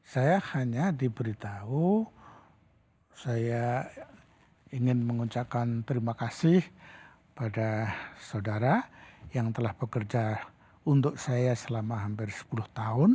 saya hanya diberitahu saya ingin mengucapkan terima kasih pada saudara yang telah bekerja untuk saya selama hampir sepuluh tahun